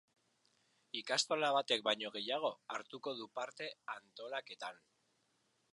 Ikastola batek baino gehiagok hartuko du parte antolaketan.